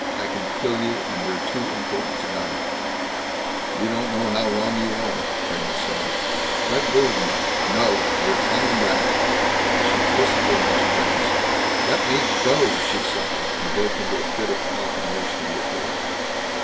I can kill you, and you're too important to die." "You don't know how wrong you are," Kramer said. "Let go of me!" "No you're coming back!" She twisted in his grasp. "Let me go!" she sobbed and broke into a fit of coughing worse than before.